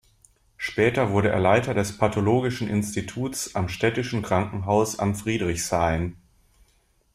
Später wurde er Leiter des Pathologischen Instituts am Städtischen Krankenhaus am Friedrichshain.